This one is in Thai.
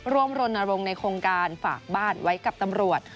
รณรงค์ในโครงการฝากบ้านไว้กับตำรวจ